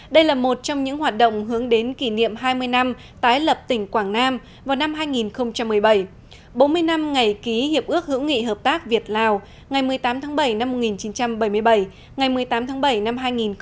đây là một trong những hoạt động hướng đến kỷ niệm hai mươi năm tái lập tỉnh quảng nam vào năm hai nghìn một mươi bảy bốn mươi năm ngày ký hiệp ước hữu nghị hợp tác việt lào ngày một mươi tám tháng bảy năm một nghìn chín trăm bảy mươi bảy ngày một mươi tám tháng bảy năm hai nghìn một mươi chín